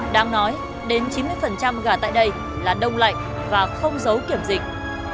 đáng nói đến chín mươi gà tại đây là đông lạnh và không giấu kiểm dịch